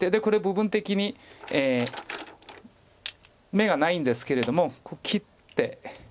これ部分的に眼がないんですけれども切って。